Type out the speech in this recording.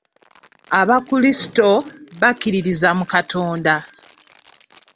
Abakulisito bakkiririza mu Katonda.